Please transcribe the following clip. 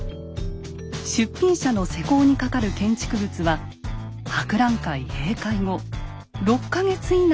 「出品者の施工にかかる建築物は博覧会閉会後６か月以内に撤去」。